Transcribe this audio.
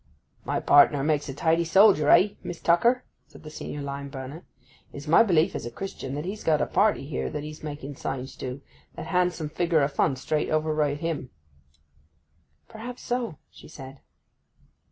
'My partner makes a tidy soldier, eh—Miss Tucker?' said the senior lime burner. 'It is my belief as a Christian that he's got a party here that he's making signs to—that handsome figure o' fun straight over right him.' 'Perhaps so,' she said.